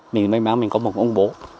mình may mắn mình có một ông bố